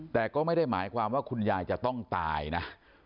แต่ก็ไม่ได้หมายความว่าคุณยายจะต้องตายนะ